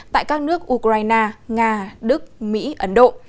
tại các nước ukraine nga đức mỹ ấn độ